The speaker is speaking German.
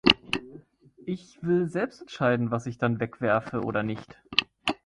Ich will selbst entscheiden, was ich dann wegwerfe oder nicht.